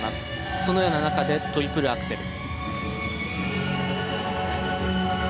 そのような中でトリプルアクセル。